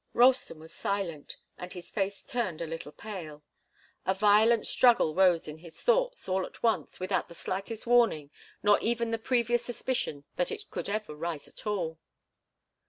Ralston was silent, and his face turned a little pale. A violent struggle arose in his thoughts, all at once, without the slightest warning nor even the previous suspicion that it could ever arise at all.